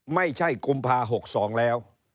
ไม่ใช่กุมภา๖๒แล้ว